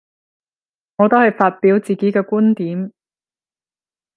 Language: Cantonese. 我都係發表自己嘅觀點